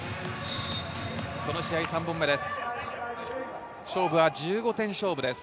この試合、３本目です。